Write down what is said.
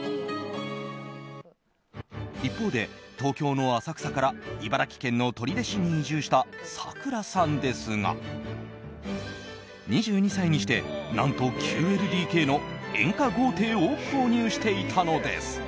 一方で、東京の浅草から茨城県の取手市に移住したさくらさんですが２２歳にして、何と９ＬＤＫの演歌豪邸を購入していたのです。